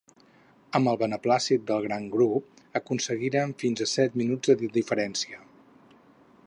Amb el beneplàcit del gran grup aconseguiren fins a set minuts de diferència.